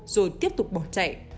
rồi tiếp tục bỏ chạy